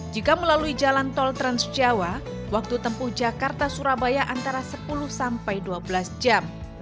jika melalui jalan tol transjawa waktu tempuh jakarta surabaya antara sepuluh sampai dua belas jam